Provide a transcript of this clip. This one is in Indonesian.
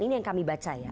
ini yang kami baca ya